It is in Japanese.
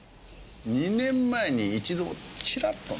２年前に一度ちらっとね。